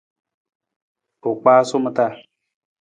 U kpaasu ma taa.